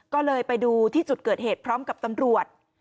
ก็เลยไปดูที่จุดเกิดเหตุพร้อมกับตำรวจ